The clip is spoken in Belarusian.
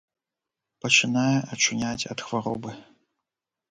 Пачынае ачуняць ад хваробы.